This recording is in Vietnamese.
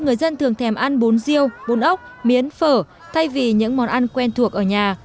người dân thường thèm ăn bún riêu bún ốc miếng phở thay vì những món ăn quen thuộc ở nhà